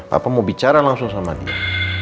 papa mau bicara langsung sama dia